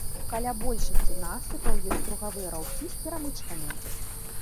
Каля большасці насыпаў ёсць кругавыя раўкі з перамычкамі.